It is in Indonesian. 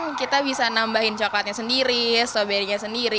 jadi kita bisa menambahkan coklatnya sendiri stroberinya sendiri